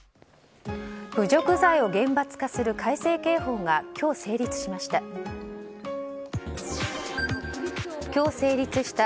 侮辱罪を厳罰化する改正刑法が今日成立しました。